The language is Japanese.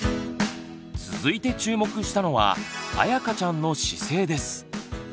続いて注目したのは「あやかちゃんの姿勢」です。